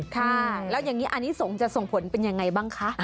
ค่ะแล้วอย่างนี้อันนี้ส่งจะส่งผลเป็นยังไงบ้างคะ